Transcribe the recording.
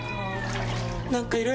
何かいる！